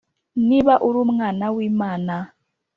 ” Niba uri umwana w’Imana